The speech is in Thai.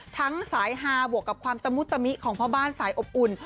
สายฮาบวกกับความตะมุตมิของพ่อบ้านสายอบอุ่น